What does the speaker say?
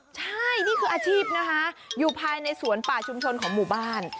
ใช่นี่คืออาชีพนะคะอยู่ภายในสวนป่าชุมชนของหมู่บ้าน